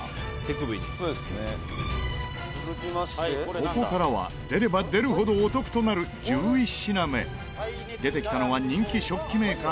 ここからは、出れば出るほどお得となる１１品目出てきたのは人気食器メーカー